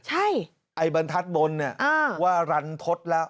ใช่ไอ้บรรทัศน์บนเนี่ยว่ารันทศแล้ว